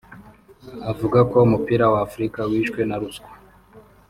Avuga ko umupira w’Afurika wishwe na ruswa